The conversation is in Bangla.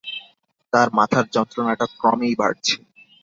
তার মাথার যন্ত্রণাটা ক্রমেই বাড়ছে।